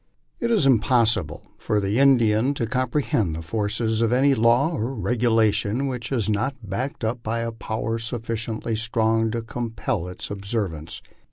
It is impossible for the Indian to comprehend the force of any law or regulation which is not backed up by a power sufficiently strong to compel its observance.